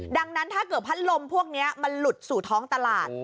ดังนั้นถ้าเกิดพัดลมพวกนี้มันหลุดสู่ท้องตลาด